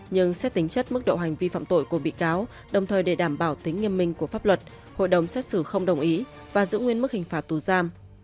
nhưng xét tính chất mức độ hành vi phạm tội của bị cáo đồng thời để đảm bảo tính nghiêm minh của pháp luật hội đồng xét xử không đồng ý và giữ nguyên mức hình phạt tù giam